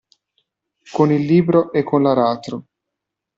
Con il libro e con l'aratro.